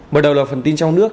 mở đầu là phần tin trong nước